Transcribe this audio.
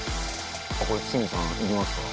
これ堤さんいきますか。